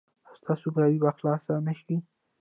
ایا ستاسو ګروي به خلاصه نه شي؟